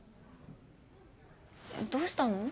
どうしたの？